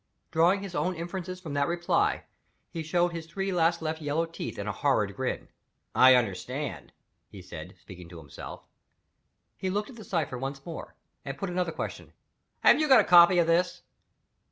Drawing his own inferences from that reply, he showed his three last left yellow teeth in a horrid grin. "I understand!" he said, speaking to himself. He looked at the cipher once more, and put another question: "Have you got a copy of this?"